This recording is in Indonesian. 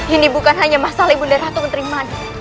ini bukan hanya masalah ibunda kenteri panik